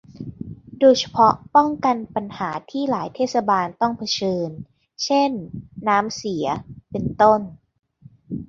โดยเฉพาะป้องกันปัญหาที่หลายเทศบาลต้องเผชิญ เช่น น้ำเสีย เป็นต้น